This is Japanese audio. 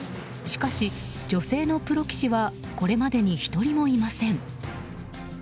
しかし、女性のプロ棋士はこれまでに１人もいません。